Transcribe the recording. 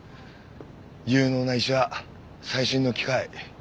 有能な医者最新の機械。